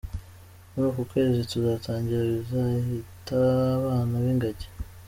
Muri uku kwezi tuzatangira bazita abana b' ingagi.